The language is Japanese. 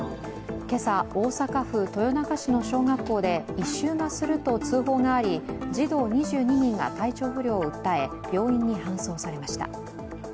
今朝、大阪府豊中市の小学校異臭がすると通報があり、児童２２人が体調不良を訴え病院に搬送されました。